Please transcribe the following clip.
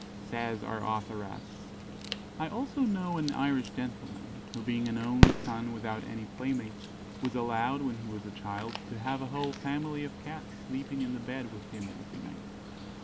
Says our authoress: "I also know an Irish gentleman, who being an only son without any playmates, was allowed, when he was a child, to have a whole family of Cats sleeping in the bed with him every night.